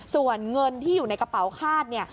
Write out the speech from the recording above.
ส่วนเงินที่อยู่ในกระเป๋าคาดเนี่ย